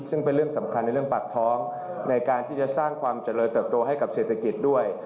ซึ่งเป็นเรื่องสำคัญในเรื่องปากท้องในการที่จะสร้างความเจริญเติบโตให้กับเศรษฐกิจด้วย